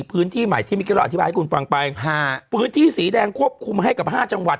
พื้นที่ใหม่ที่เมื่อกี้เราอธิบายให้คุณฟังไปฮะพื้นที่สีแดงควบคุมให้กับห้าจังหวัด